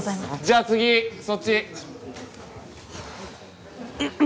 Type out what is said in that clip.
じゃあ次そっち。